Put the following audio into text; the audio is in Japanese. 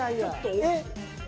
えっ？